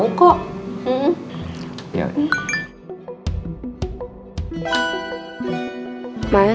udah ke kamar dulu